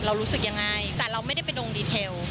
รู้สึกยังไงแต่เราไม่ได้ไปดงดีเทล